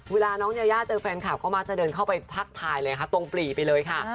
เวลาน้องยายาเจอแฟนคลับก็มักจะเดินเข้าไปทักทายเลยค่ะตรงปลีไปเลยค่ะ